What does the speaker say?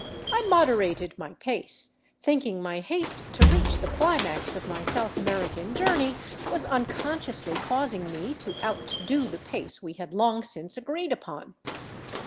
I moderated my pace, thinking my haste to reach the climax of my South American journey was unconsciously causing me to outdo the pace we had long since agreed upon.